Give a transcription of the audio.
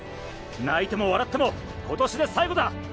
泣いても笑っても今年で最後だ。